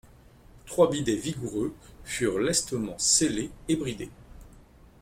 Trois bidets vigoureux furent lestement sellés et bridés.